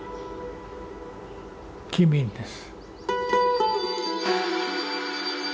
棄民です。